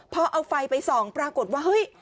พอเอาไฟไปส่องปรากฏว่าเฮ้ย